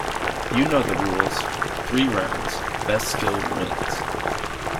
You know the rules, three rounds, best skill wins.